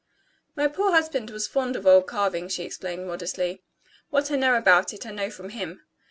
"My poor husband was fond of old carving," she explained modestly; "what I know about it, I know from him.